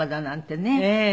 ええ。